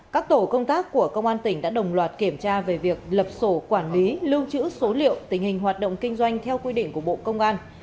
các tổ công tác của công an tỉnh đã đồng loạt kiểm tra về việc lập sổ quản lý lưu trữ số liệu tình hình hoạt động kinh doanh theo quy định của bộ công an